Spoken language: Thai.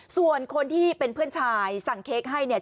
ส่วนคนที่เป็นเพื่อนชายสั่งเค้กให้เนี่ย